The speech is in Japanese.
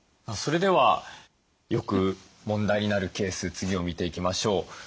それではよく問題になるケース次を見ていきましょう。